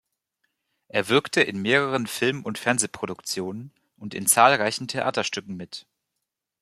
Er wirkte in mehreren Film- und Fernsehproduktionen und in zahlreichen Theaterstücken mit.